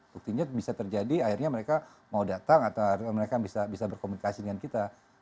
buktinya bisa terjadi akhirnya mereka mau datang atau mereka bisa berkomunikasi dengan kita